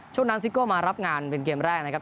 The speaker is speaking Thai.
ช่วงนั้นซิโก้มารับงานเป็นเกมแรกนะครับ